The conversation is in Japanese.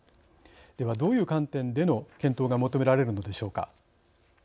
では、どういう観点での検討が求められるのでしょうか。